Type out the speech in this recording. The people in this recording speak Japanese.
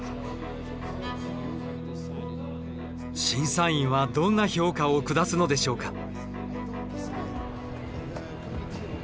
審査員はどんな評価を下すのでしょうか。